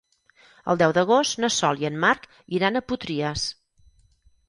El deu d'agost na Sol i en Marc iran a Potries.